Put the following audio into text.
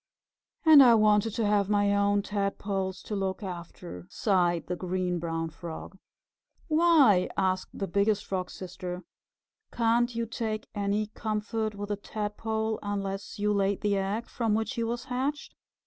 "And I wanted to have my own Tadpoles to look after," sighed the Green Brown Frog. "Why?" asked the Biggest Frog's Sister. "Can't you take any comfort with a Tadpole unless you laid the egg from which he was hatched?